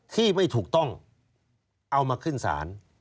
ที่ไม่ถูกต้องเอามาขึ้นศาล